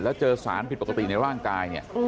แล้วเจอสารผิดปกติในร่างกายเนี่ย